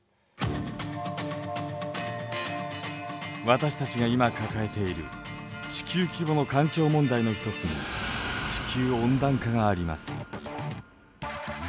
私たちが今抱えている地球規模の環境問題の一つに地球温暖化があります。